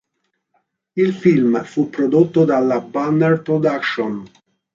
Il film fu prodotto dalla Banner Productions.